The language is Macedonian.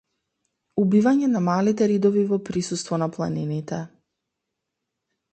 Убивање на малите ридови во присуство на планините.